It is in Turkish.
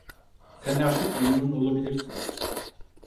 Sen artık memnun olabilirsin!